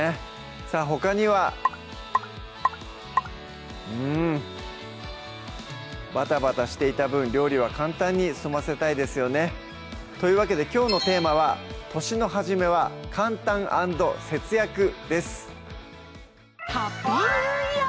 さぁほかにはうんバタバタしていた分料理は簡単に済ませたいですよねというわけできょうのテーマは「年の初めは簡単＆節約」です